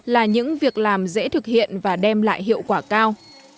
là những việc làm dễ thực hiện và đem lại hiệu quả cao